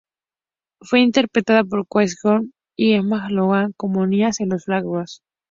Fue interpretada por Katie Holmes y por Emma Lockhart como niña en los flashbacks.